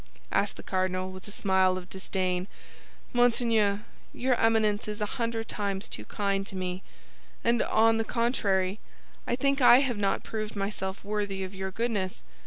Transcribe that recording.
asked the cardinal, with a smile of disdain. "Monseigneur, your Eminence is a hundred times too kind to me; and on the contrary, I think I have not proved myself worthy of your goodness.